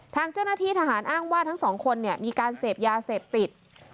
ทางเจ้าหน้าที่ทหารอ้างว่าทั้งสองคนมีการเสพยาเสพติด